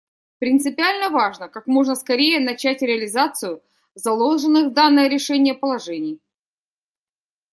Принципиально важно как можно скорее начать реализацию заложенных в данное решение положений.